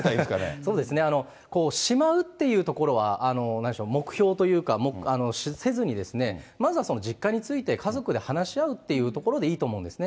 そうですね、しまうっていうところはなんでしょう、目標というか、せずにまずは実家について家族で話し合うっていうところでいいと思うんですね。